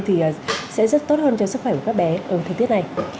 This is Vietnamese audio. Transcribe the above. thì sẽ rất tốt hơn cho sức khỏe của các bé ở thời tiết này